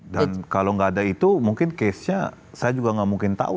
dan kalau tidak ada itu mungkin case nya saya juga tidak mungkin tahu